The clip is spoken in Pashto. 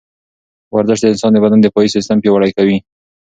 ورزش د انسان د بدن دفاعي سیستم پیاوړی کوي.